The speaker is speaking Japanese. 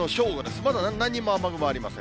まだなんにも雨雲ありません。